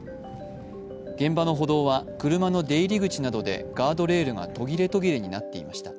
現場の歩道は車の出入り口などでガードレールが途切れ途切れになっていました。